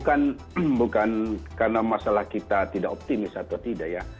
karena bukan karena masalah kita tidak optimis atau tidak ya